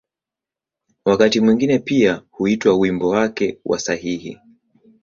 Wakati mwingine pia huitwa ‘’wimbo wake wa sahihi’’.